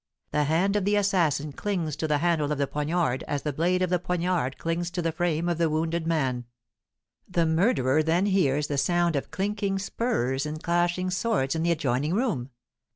The hand of the assassin clings to the handle of the poignard, as the blade of the poignard clings to the frame of the wounded man. The murderer then hears the sound of clinking spurs and clashing swords in the adjoining room.